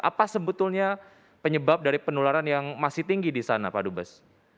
apa sebetulnya penyebab dari penularan yang masih tinggi di sana pak dubes